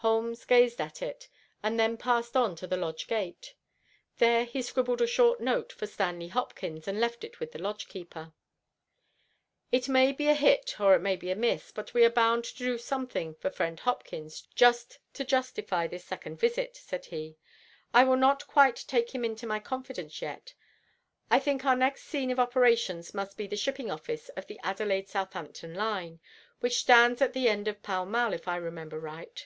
Holmes gazed at it and then passed on to the lodge gate. There he scribbled a short note for Stanley Hopkins and left it with the lodge keeper. "It may be a hit or it may be a miss, but we are bound to do something for friend Hopkins, just to justify this second visit," said he. "I will not quite take him into my confidence yet. I think our next scene of operations must be the shipping office of the Adelaide Southampton line, which stands at the end of Pall Mall, if I remember right.